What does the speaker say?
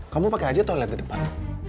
kamu pakai aja toilet ke depan